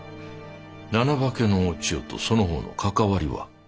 七化けのお千代とその方の関わりは？